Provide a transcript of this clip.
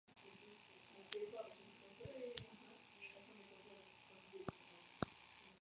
Por muchos años su poesía estuvo guardada.